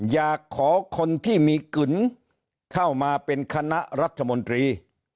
อยากขอคนที่มีกึนเข้ามาเป็นคณะรัฐมนตรี